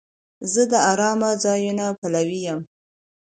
زه د آرامه ځایونو پلوی یم.